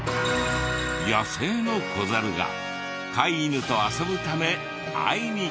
野生の子ザルが飼い犬と遊ぶため会いに来ていた。